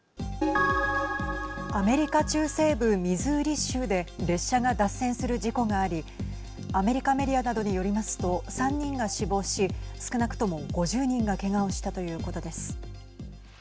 アメリカ中西部、ミズーリ州で列車が脱線する事故がありアメリカメディアなどによりますと３人が死亡し少なくとも５０人がけがをしたということです。